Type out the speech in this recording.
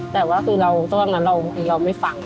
แต่ว่าคือตอนนั้นเราไม่ฟัง